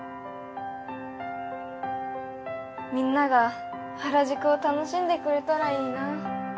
みんなが原宿を楽しんでくれたらいいな。